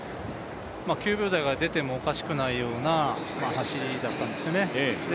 ９秒台が出てもおかしくないような走りだったんですよね。